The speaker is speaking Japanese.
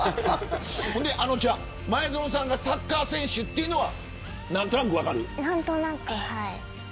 あのちゃん、前園さんがサッカー選手というのは何となく、はい。